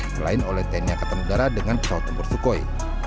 selain oleh tni angkatan udara dengan pesawat tempur sukhoi